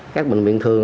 các bệnh viện thường